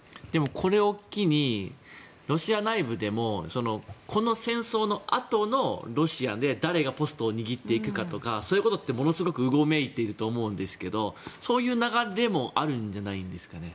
これを機にロシア内部でもこの戦争のあとのロシアで誰がポストを握っていくかとかそういうことって、すごくうごめいていると思うんですがそういう流れもあるんじゃないですかね。